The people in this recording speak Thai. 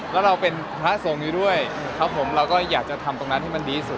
แล้วเราเป็นพระสงฆ์อยู่ด้วยครับผมเราก็อยากจะทำตรงนั้นให้มันดีสุด